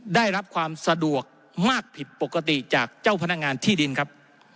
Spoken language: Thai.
ได้รับความสะดวกมากผิดปกติจากเจ้าพนักงานที่ดินครับ